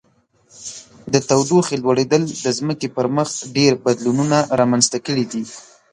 د تودوخې لوړیدل د ځمکې پر مخ ډیر بدلونونه رامنځته کړي دي.